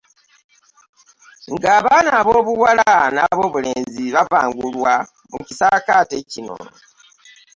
Ng'abaana aboobuwala n'aboobulenzi babangulwa mu Kisaakaate kino.